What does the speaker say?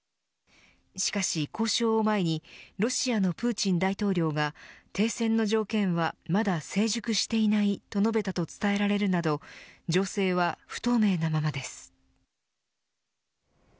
しかし、交渉を前にロシアのプーチン大統領が停戦の条件はまだ成熟していないと述べたと伝えられるなど情勢は不透明なままです。